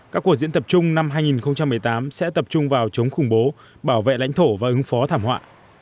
các cuộc diễn tập chung năm hai nghìn một mươi tám sẽ tập trung vào chống khủng bố bảo vệ lãnh thổ và ứng phó thảm họa